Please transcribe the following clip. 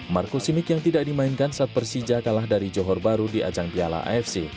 marco simic yang tidak dimainkan saat persija kalah dari johor baru di ajang piala afc